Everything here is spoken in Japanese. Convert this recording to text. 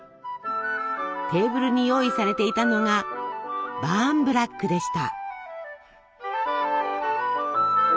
テーブルに用意されていたのがバーンブラックでした。